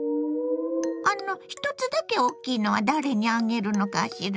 あの１つだけ大きいのは誰にあげるのかしら？